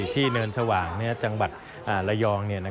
เนินสว่างจังหวัดระยอง